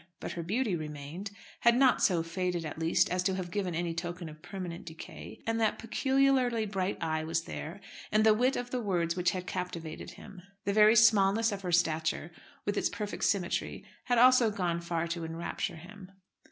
But her beauty remained; had not so faded, at least, as to have given any token of permanent decay. And that peculiarly bright eye was there; and the wit of the words which had captivated him. The very smallness of her stature, with its perfect symmetry, had also gone far to enrapture him.